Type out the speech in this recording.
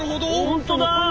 本当だ。